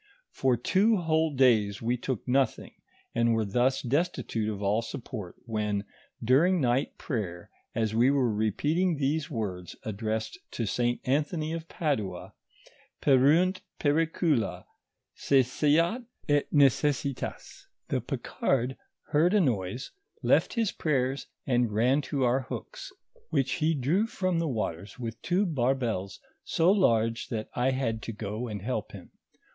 For two whole days we took nothing, and were thus destitute of all support when, during night prayer, as we were repeating these words addressed to St. Anthony of Padua, " Pereunt pericula, cessat et necessitas," the Picard heard a noise, left his prayers, and ran to our hooks which he drew 138 NABRATIVE OF FATHER HENNEPIN. ),< from the watera with two barbels so large that I had to go and help liim.